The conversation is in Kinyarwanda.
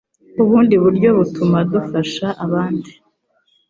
ubundi buryo butuma dufasha abandi